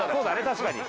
確かに。